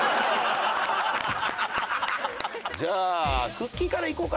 じゃあくっきー！からいこうか。